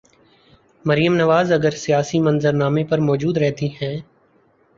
مریم نواز اگر سیاسی منظر نامے پر موجود رہتی ہیں۔